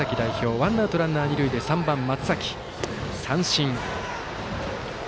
ワンアウト、ランナー、二塁で３番、松崎は三振。